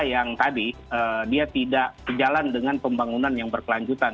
yang tadi dia tidak sejalan dengan pembangunan yang berkelanjutan